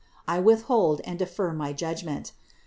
I withhold and defer my judgment.